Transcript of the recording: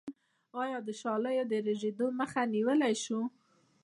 آیا د شالیو د رژیدو مخه نیولی شو؟